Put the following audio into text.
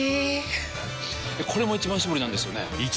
これも「一番搾り」なんですよね